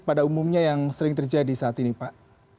pada umumnya yang sering terjadi saat ini pak